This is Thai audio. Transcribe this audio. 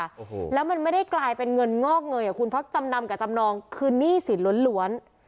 โอ้โหแล้วมันไม่ได้กลายเป็นเงินงอกเงยอ่ะคุณเพราะจำนำกับจำนองคือหนี้สินล้วนล้วน